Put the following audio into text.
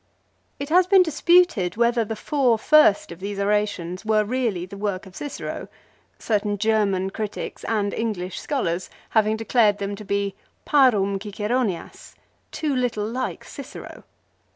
It has been disputed whether the four first of these orations were really the work of Cicero, certain German critics and English scholars having declared them to be " parum Ciceronias," too little like Cicero.